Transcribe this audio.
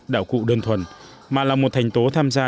đạo cụ đơn thuần mà là một thành tố tham gia